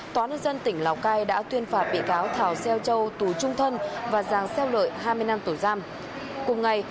tòa nước dân tỉnh lào cai đã tuyên phạt bị cáo thảo xeo châu tù trung thân và giàng xeo lợi hai mươi năm tuổi giam